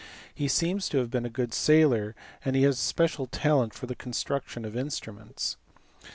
He seems to have been a good sailor and he had a special talent for the construction of instruments.